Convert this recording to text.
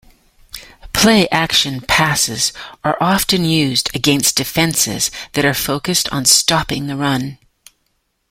Play-action passes are often used against defenses that are focused on stopping the run.